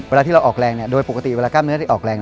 เวลาที่เราออกแรงโดยปกติเวลากล้ามเนื้อที่ออกแรง